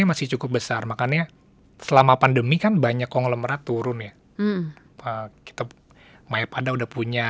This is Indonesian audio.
masih cukup besar makanya selama pandemi kan banyak konglomerat turun ya kita mayat anda udah punya